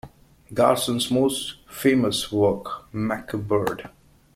Garson's most famous work, MacBird!